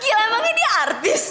gila emangnya dia artis